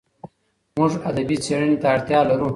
موږ ادبي څېړني ته اړتیا لرو.